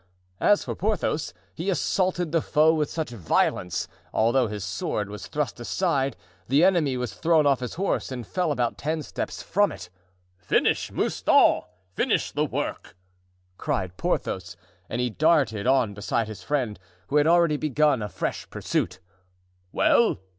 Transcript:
As for Porthos, he assaulted the foe with such violence that, although his sword was thrust aside, the enemy was thrown off his horse and fell about ten steps from it. "Finish, Mouston, finish the work!" cried Porthos. And he darted on beside his friend, who had already begun a fresh pursuit. "Well?"